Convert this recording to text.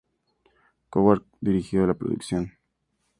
Coward dirigió la producción.